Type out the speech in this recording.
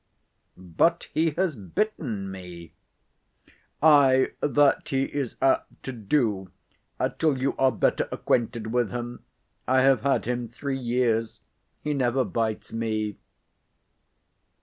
"But he has bitten me." "Ay, that he is apt to do, till you are better acquainted with him. I have had him three years. He never bites me."